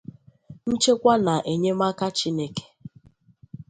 nchekwa na enyemaka Chineke